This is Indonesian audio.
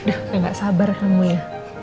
enggak sabar kamu ya